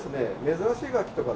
珍しい楽器とかですね